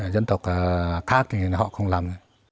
dân tộc khác thì họ không làm